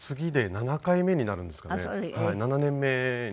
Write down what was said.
７年目になるんですけど。